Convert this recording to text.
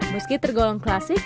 meski tergolong klasik